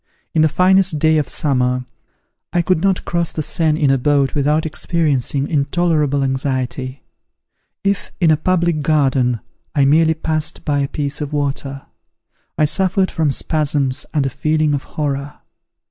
.. In the finest day of summer, I could not cross the Seine in a boat without experiencing intolerable anxiety. If, in a public garden, I merely passed by a piece of water, I suffered from spasms and a feeling of horror.